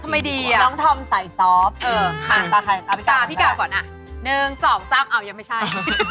ทำไมดีอ่ะน้องธอมใส่ซอฟต์ตาพี่กาวก่อน๑๒๓เอายังไม่ใช่